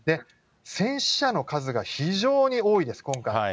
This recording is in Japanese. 戦死者の数が非常に多いです、今回。